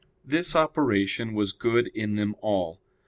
This operation was good in them all.